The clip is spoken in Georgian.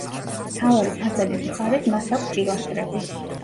მთავარი ფასადის მხარეს მას აქვს პილასტრები.